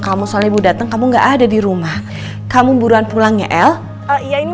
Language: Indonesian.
kamu soalnya datang kamu enggak ada di rumah kamu buruan pulangnya el ya ini